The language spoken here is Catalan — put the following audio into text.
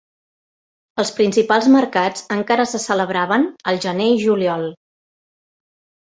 Els principals mercats encara se celebraven al gener i juliol.